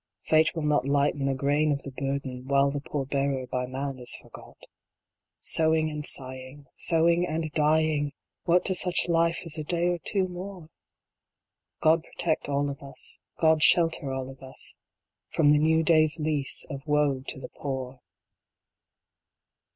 Fate will not lighten a grain of the burden While the poor bearer by man is forgot Sewing and sighing ! Sewing and dying ! What to such life is a day or two more ? God protect all of us God shelter all of us From the new day s lease of woe to the Poor